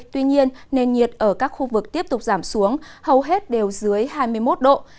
tuy nhiên nền nhiệt ở các khu vực tiếp tục giảm xuống hầu hết đều dưới hai mươi một độ